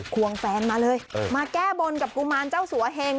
ควงแฟนมาเลยมาแก้บนกับกุมารเจ้าสัวเหง